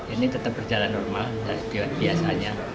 ini tetap berjalan normal biasanya